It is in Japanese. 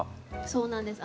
そうなんです。